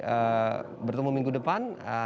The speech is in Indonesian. kita kembali bertemu minggu depan